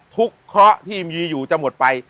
ทุกข้อที่มีอยู่จะหมดไป